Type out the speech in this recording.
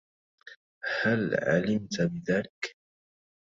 هل علمتَ بذلك؟